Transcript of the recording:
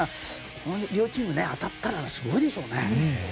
この両チームが当たったらすごいでしょうね。